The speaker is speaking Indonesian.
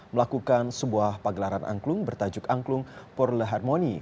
melakukan sebuah pagelaran angklung bertajuk angklung pour la harmonie